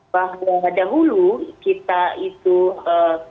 bahwa dahulu kita itu ee